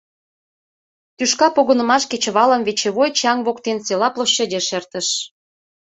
Тӱшка погынымаш кечывалым «вечевой» чаҥ воктен села площадеш эртыш.